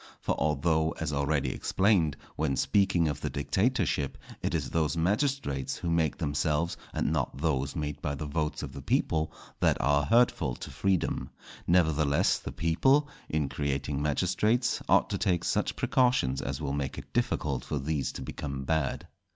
For although, as already explained, when speaking of the dictatorship, it is those magistrates who make themselves, and not those made by the votes of the people, that are hurtful to freedom; nevertheless the people, in creating magistrates ought to take such precautions as will make it difficult for these to become bad.